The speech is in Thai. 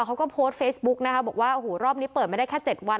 เขาก็โพสต์เฟซบุ๊กนะคะบอกว่าโอ้โหรอบนี้เปิดมาได้แค่๗วัน